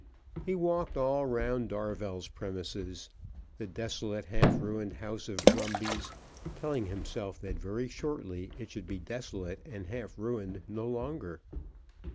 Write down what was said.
He walked all round Darvell's premises, the desolate, half ruined house of Brumbys, telling himself that very shortly it should be desolate and half ruined no longer.